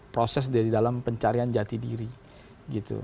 proses dari dalam pencarian jati diri gitu